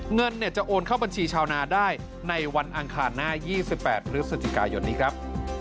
เงินจะโอนเข้าบัญชีชาวนาได้ในวันอังคารหน้า๒๘พฤศจิกายนนี้ครับ